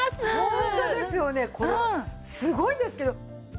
ホントですよねこれすごいですけど。